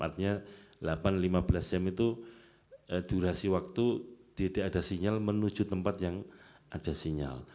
artinya delapan lima belas jam itu durasi waktu tidak ada sinyal menuju tempat yang ada sinyal